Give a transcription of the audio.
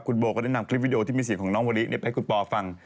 คุณโบก็ได้นำคลิปวิดีโอที่มีเสียงของน้องมะลิไปให้คุณปอฟัง